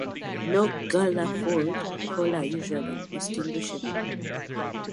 No gular fold; collar usually distinguishable.